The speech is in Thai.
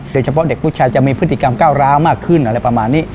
เฉพาะเด็กผู้ชายจะมีพฤติกรรมก้าวร้าวมากขึ้นอะไรประมาณนี้